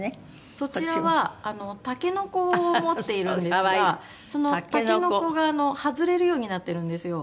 そちらはタケノコを持っているんですがそのタケノコが外れるようになってるんですよ。